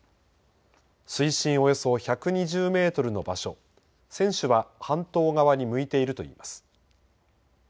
水深およそ１２０メートルの場所船首は半島側に向いているといいます。